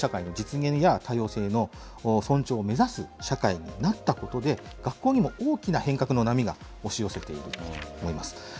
共生社会の実現や多様性の尊重を目指す社会になったことで、学校にも大きな変革の波が押し寄せていると思います。